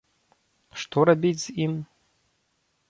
Што рабіць з ім?